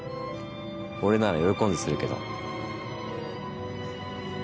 俺なら喜んでするけど。